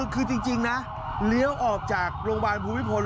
คือจริงนะเลี้ยวออกจากโรงพยาบาลภูมิพล